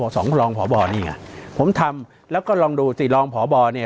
สองรองผ่อบอเนี่ยผมทำแล้วก็ลองดูสิรองผ่อบอเนี่ย